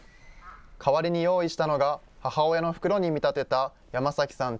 代わりに用意したのが、母親の袋に見立てた山崎さん